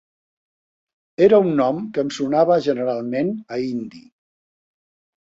Era un nom que em sonava generalment a indi.